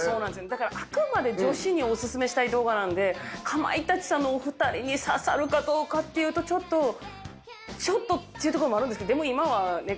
だからあくまで女子にオススメしたい動画なんでかまいたちさんのお２人に刺さるかどうかっていうとちょっとちょっとっていうところもあるんですけどでも今はね